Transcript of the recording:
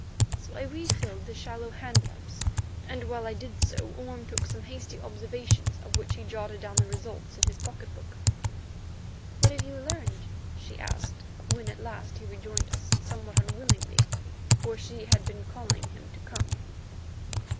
So I refilled the shallow hand lamps, and while I did so Orme took some hasty observations of which he jotted down the results in his pocket book. "What have you learned?" she asked, when at last he rejoined us somewhat unwillingly, for she had been calling to him to come.